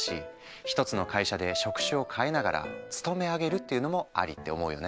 １つの会社で職種を変えながら勤め上げるっていうのもありって思うよね。